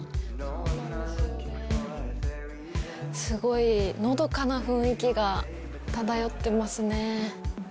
すごいのどかな雰囲気が漂ってますね。